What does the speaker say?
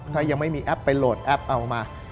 ถ้ายังไม่มีแอปไปโหลดแอปเอามา